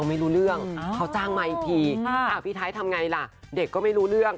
นองไม่รู้เรื่องเขาจ้างไมค์อีกทีทายทำไงละเด็กก็ไม่รู้เรื่อง